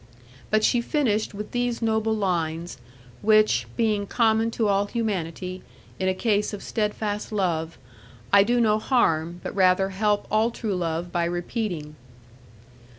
But she finished with these noble lines, which (being common to all humanity, in a case of steadfast love) I do no harm, but rather help all true love by repeating.